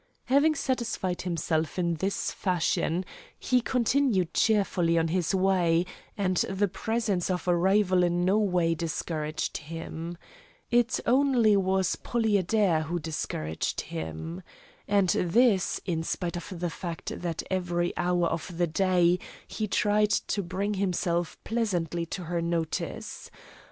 Having satisfied himself in this fashion, he continued cheerfully on his way, and the presence of a rival in no way discouraged him. It only was Polly Adair who discouraged him. And this, in spite of the fact that every hour of the day he tried to bring himself pleasantly to her notice.